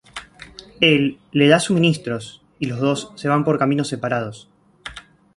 Él le da suministros, y los dos se van por caminos separados.